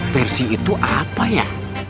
persi itu apa ya